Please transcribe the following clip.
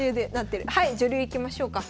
はい女流いきましょうか。